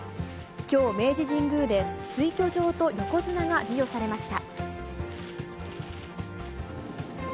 きょう、明治神宮で、推挙状が横綱に授与されました。